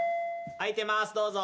開いてまーすどうぞ。